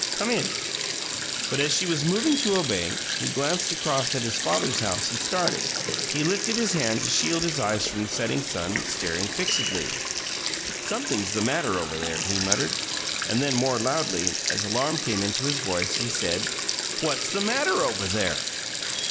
Come in!" But as she was moving to obey he glanced across at his father's house and started. He lifted his hand to shield his eyes from the setting sun, staring fixedly. "Something's the matter over there," he muttered, and then, more loudly, as alarm came into his voice, he said, "What's the matter over there?"